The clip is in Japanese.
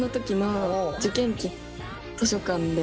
図書館で。